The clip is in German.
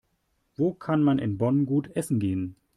Wo kann man in Bonn gut essen gehen?